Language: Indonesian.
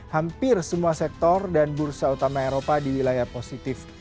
hampir semua sektor dan bursa utama eropa di wilayah positif